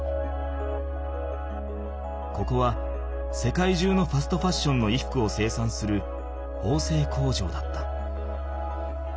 ここは世界中のファストファッションの衣服を生産するほうせい工場だった。